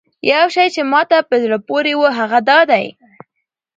یو شی چې ماته په زړه پورې و هغه دا دی.